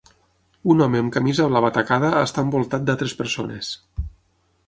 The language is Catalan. Un home amb camisa blava tacada està envoltat d'altres persones.